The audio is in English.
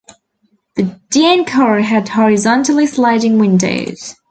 The Dyane car had horizontally-sliding windows.